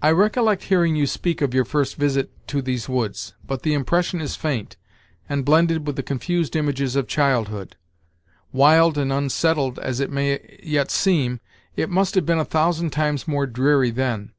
"I recollect hearing you speak of your first visit to these woods, but the impression is faint, and blended with the confused images of childhood. Wild and unsettled as it may yet seem, it must have been a thousand times more dreary then.